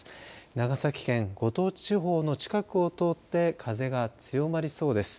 長崎県五島地方の近くを通って風が強まりそうです。